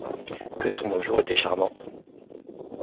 Que son bonjour était charmant!